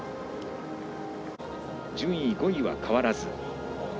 順位５位は変わらず。